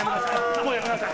もうやめなさい。